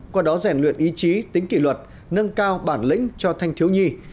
qua đó rèn luyện ý chí tính kỷ luật nâng cao bản lĩnh cho thanh thiếu nhi